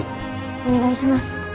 お願いします。